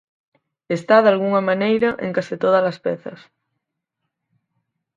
Está dalgunha maneira en case todas as pezas.